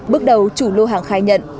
bước đầu chủ lưu hàng khai nhận